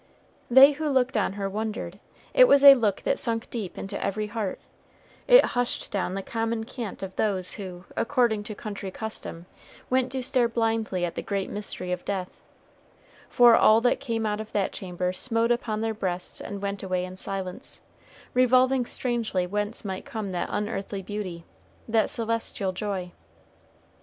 They who looked on her wondered; it was a look that sunk deep into every heart; it hushed down the common cant of those who, according to country custom, went to stare blindly at the great mystery of death, for all that came out of that chamber smote upon their breasts and went away in silence, revolving strangely whence might come that unearthly beauty, that celestial joy.